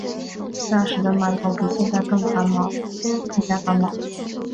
那时的码头比现在更加繁忙。